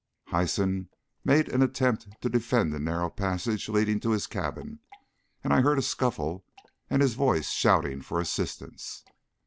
Hyson made an attempt to defend the narrow passage leading to his cabin, and I heard a scuffle, and his voice shouting for assistance.